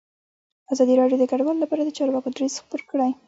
ازادي راډیو د کډوال لپاره د چارواکو دریځ خپور کړی.